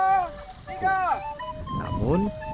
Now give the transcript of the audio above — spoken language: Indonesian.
namun versi lainnya tidak